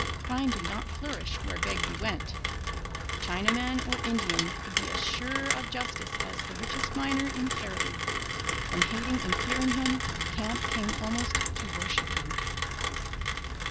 Crime did not flourish where Begbie went. Chinaman or Indian could be as sure of justice as the richest miner in Cariboo. From hating and fearing him, the camp came almost to worship him.